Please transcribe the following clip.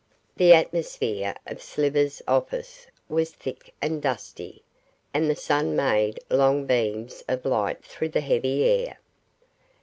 The atmosphere of Slivers' office was thick and dusty, and the sun made long beams of light through the heavy air.